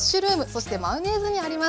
そしてマヨネーズにあります。